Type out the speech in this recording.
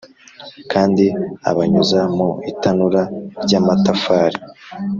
kandi abanyuza mu itanura ry’amatafari.